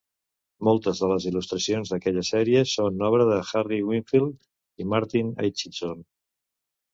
Moltes de les il·lustracions d'aquesta sèrie són obra de Harry Wingfield i Martin Aitchison.